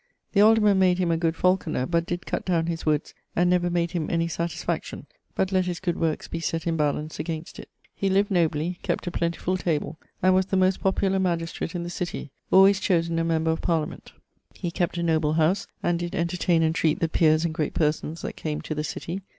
The alderman made him a good falkoner, but did cutt downe his woods and never made him any satisfaction: but lett his good workes be sett in balance against it. He lived nobly; kept a plentifull table; and was the most popular magistrate in the city, alwaies chosen a member of Parliament. He kept a noble house, and did entertain and treat the peers and great persons that came to the city.